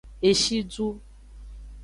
Eshidu.